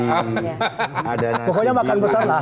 pokoknya makan besar lah